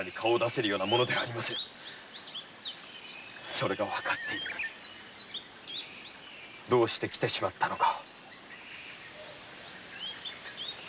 それがわかっていてどうして来てしまったのか。